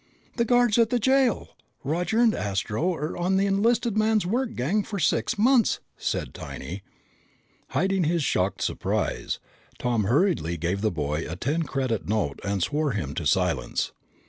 "The guards at the jail! Roger and Astro are on the enlisted man's work gang for six months!" said Tiny. Hiding his shocked surprise, Tom hurriedly gave the boy a ten credit note and swore him to silence.